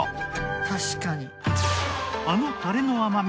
確かに。